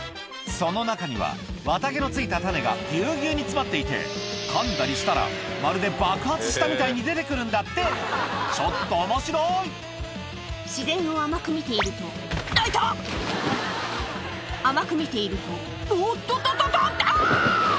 その中には綿毛の付いた種がぎゅうぎゅうに詰まっていてかんだりしたらまるで爆発したみたいに出て来るんだってちょっと面白い自然を甘く見ていると「あ痛っ！」甘く見ていると「おっとっとっとっとあぁ！」